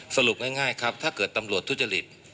สรุปง่ายครับถ้าเกิดตำรวจทุจริต